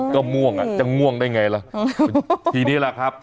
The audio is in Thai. ก็ม่วงอ่ะจะง่วงได้ไงล่ะทีนี้แหละครับ